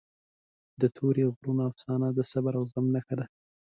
د تورې غرونو افسانه د صبر او زغم نښه ده.